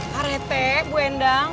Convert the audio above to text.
pak rete bu endang